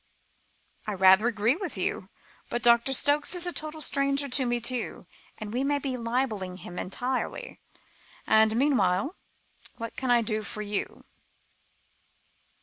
"I rather agree with you, but Doctor Stokes is a total stranger to me too; we may be libelling him entirely; and meanwhile, what can I do for you?